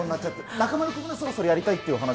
中丸君もそろそろやりたいっていう。